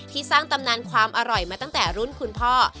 สร้างตำนานความอร่อยมาตั้งแต่รุ่นคุณพ่อ